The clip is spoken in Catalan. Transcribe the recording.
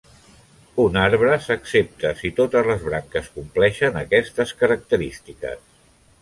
Un arbre s'accepta si totes les branques compleixen aquestes característiques.